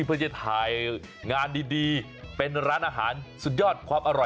เพื่อจะถ่ายงานดีเป็นร้านอาหารสุดยอดความอร่อย